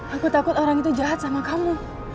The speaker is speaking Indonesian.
aku takut orang itu jahat sama kamu